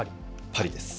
パリです。